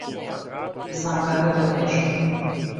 Знам како је то тешко.